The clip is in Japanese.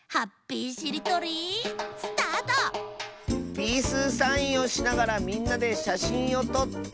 「ピースサインをしながらみんなでしゃしんをとった！」。